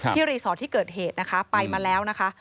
รีสอร์ทที่เกิดเหตุนะคะไปมาแล้วนะคะ